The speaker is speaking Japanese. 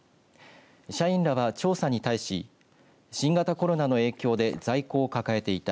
社員らは調査に対し新型コロナの影響で在庫を抱えていた。